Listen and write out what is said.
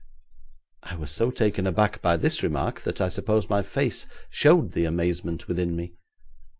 I was so taken aback by this remark that I suppose my face showed the amazement within me.